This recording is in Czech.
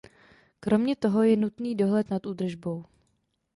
Kromě toho je nutný dohled nad údržbou.